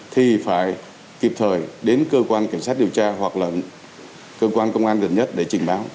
thì phải kịp thời đến cơ quan cảnh sát điều tra hoặc là cơ quan công an gần nhất để trình báo